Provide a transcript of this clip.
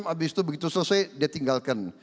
habis itu begitu selesai dia tinggalkan